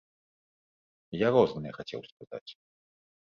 Я рознае хацеў сказаць.